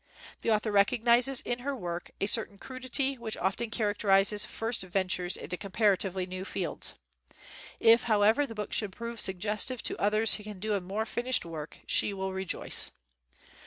The author recognizes in her work a cer tain crudity which often characterizes first ventures into comparatively new fields. If, however, the book should prove sugges tive to others who can do a more finished work, she will rejoice.